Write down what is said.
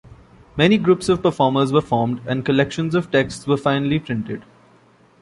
Many groups of performers were formed, and collections of texts were finally printed.